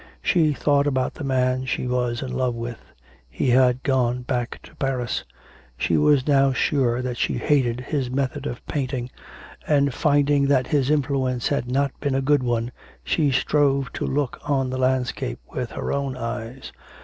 She thought about the man she was in love with; he had gone back to Paris. She was now sure that she hated his method of painting, and, finding that his influence had not been a good one, she strove to look on the landscape with her own eyes.